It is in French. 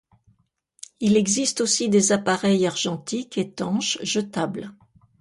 Il existe aussi des appareils argentiques étanches jetables.